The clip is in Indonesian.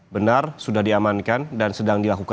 benar sudah diamankan dan sedang dilakukan